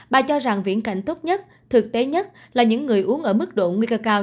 bà cho rằng viễn cảnh tốt nhất thực tế nhất là những người uống ở mức độ nguy cơ cao